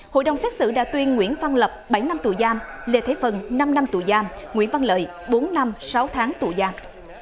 hội đồng xét xử đã tuyên nguyễn văn lập bảy năm tù giam lê thế phần năm năm tù giam nguyễn văn lợi bốn năm sáu tháng tù giam